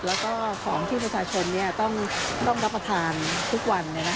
แล้วก็ของที่ประชาชนต้องรับประทานทุกวัน